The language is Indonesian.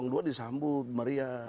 dua disambut maria